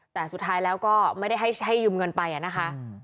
แต่สุดท้ายแล้วก็ไม่ได้ให้ยืมเงินไปนะคะ